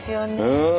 うん。